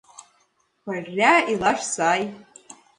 Пырля илаш сай.